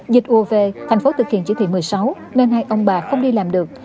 dịch ua vê tp hcm thực hiện chỉ thị một mươi sáu nên hai ông bà không đi làm được